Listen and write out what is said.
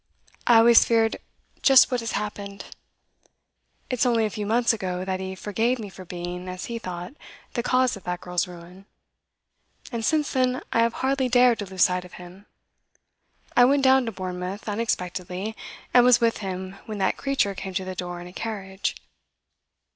I always feared just what has happened. It's only a few months ago that he forgave me for being, as he thought, the cause of that girl's ruin; and since then I have hardly dared to lose sight of him. I went down to Bournemouth unexpectedly, and was with him when that creature came to the door in a carriage.